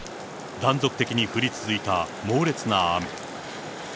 断続的に降り続いた猛烈な雨。